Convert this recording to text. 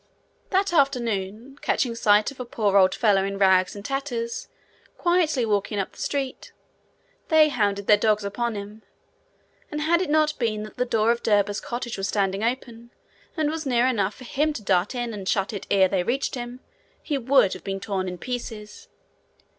That afternoon, catching sight of a poor old fellow in rags and tatters, quietly walking up the street, they hounded their dogs upon him, and had it not been that the door of Derba's cottage was standing open, and was near enough for him to dart in and shut it ere they reached him, he would have been torn in pieces.